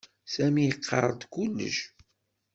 Sami iqarr-d kullec.